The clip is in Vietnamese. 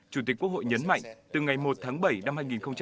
chủ tịch quốc hội nhấn mạnh từ ngày một tháng bảy năm hai nghìn hai mươi